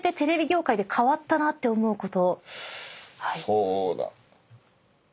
そうだ。